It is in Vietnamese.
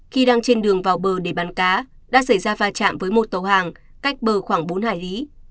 khi đang trên đường vào bờ để bắn cá đã xảy ra va chạm với một tàu hàng cách bờ khoảng bốn hải lý